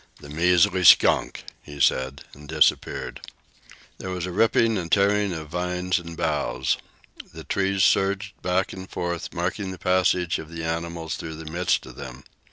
"The measly skunk!" he said, and disappeared. There was a ripping and tearing of vines and boughs. The trees surged back and forth, marking the passage of the animals through the midst of them.